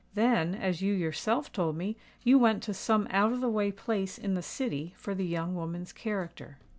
Then, as you yourself told me, you went to some out of the way place in the City for the young woman's character."